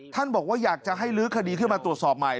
บอกว่าอยากจะให้ลื้อคดีขึ้นมาตรวจสอบใหม่